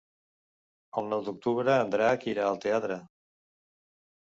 El nou d'octubre en Drac irà al teatre.